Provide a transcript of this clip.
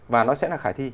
và nó sẽ là khải thi